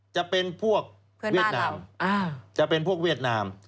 จะเป็นพวกเพื่อนบ้านเราจะเป็นพวกเวียดนาม